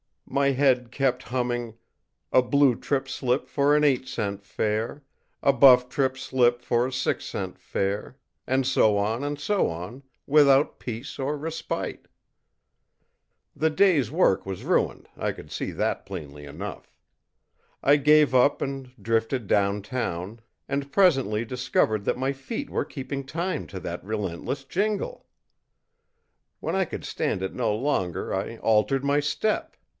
My head kept humming, ìA blue trip slip for an eight cent fare, a buff trip slip for a six cent fare,î and so on and so on, without peace or respite. The day's work was ruined I could see that plainly enough. I gave up and drifted down town, and presently discovered that my feet were keeping time to that relentless jingle. When I could stand it no longer I altered my step.